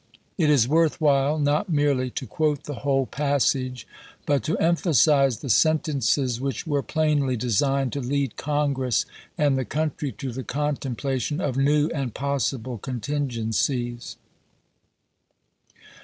It is worth while, not merely to quote the whole passage, but to emphasize the sentences which were plainly designed to lead Congress and the country to the contemplation of new and possible contingencies.